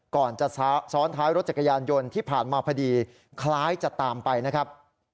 ก่อนจะซ้อนท้ายรถจักรยานยนต์ที่ผ่านมาพอดีคล้ายจะตามไปนะครับ